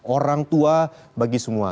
orang tua bagi semua